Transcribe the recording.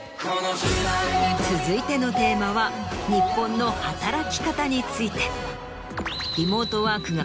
続いてのテーマは日本の働き方について。